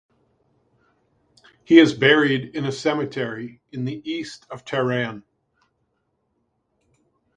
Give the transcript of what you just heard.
He is buried in a cemetery in the east of Tehran.